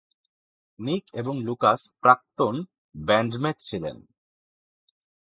নিক এবং লুকাস প্রাক্তন ব্যান্ডমেট ছিলেন।